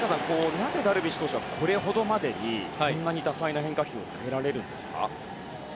なぜダルビッシュ投手はこんなに多彩な変化球を投げられるんですか。